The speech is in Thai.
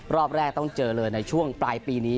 รอบแรกต้องเจอเลยในช่วงปลายปีนี้